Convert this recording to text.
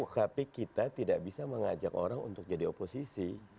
tapi kita tidak bisa mengajak orang untuk jadi oposisi